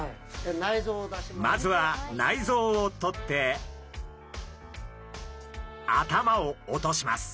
まずは内臓を取って頭を落とします。